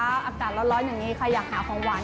อากาศร้อนอย่างนี้ใครอยากหาของหวาน